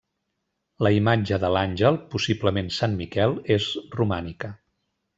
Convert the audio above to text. La imatge de l'àngel, possiblement Sant Miquel, és romànica.